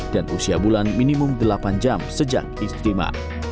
dan usia bulan minimum delapan jam sejak istimewa